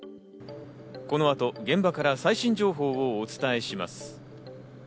この後、現場から最新情報をお伝えします。